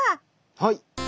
はい。